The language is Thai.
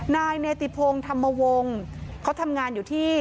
นายเนติพงศ์ธรรมวงศ์เขาทำงานอยู่ที่